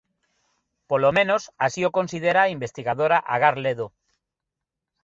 Polo menos así o considera a investigadora Agar Ledo.